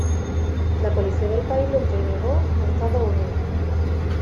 La policía del país lo entregó a Estados Unidos.